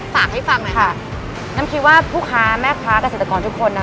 ฝากให้ฟังหน่อยค่ะน้ำคิดว่าผู้ค้าแม่ค้าเกษตรกรทุกคนนะคะ